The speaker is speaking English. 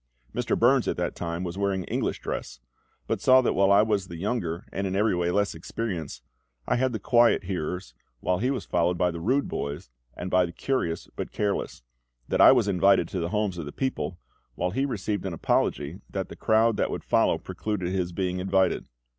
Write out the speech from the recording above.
Mr. Burns at that time was wearing English dress; but saw that while I was the younger and in every way less experienced, I had the quiet hearers, while he was followed by the rude boys, and by the curious but careless; that I was invited to the homes of the people, while he received an apology that the crowd that would follow precluded his being invited.